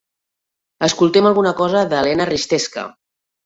Escoltem alguna cosa d'Elena Risteska.